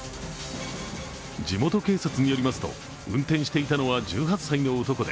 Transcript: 地元警察によりますと運転していたのは１８歳の男で